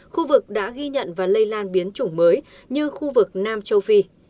khu vực đã ghi nhận và lây lan biến chủng mới như khu vực nam châu phi